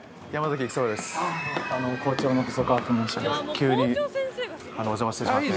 急にお邪魔してしまって。